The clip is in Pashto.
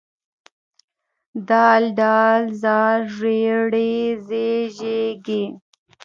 د ډ ذ ر ړ ز ژ ږ